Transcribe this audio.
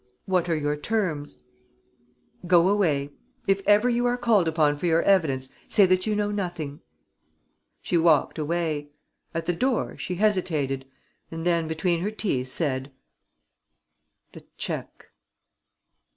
"What are your terms?" "Go away. If ever you are called upon for your evidence, say that you know nothing." She walked away. At the door, she hesitated and then, between her teeth, said: "The cheque."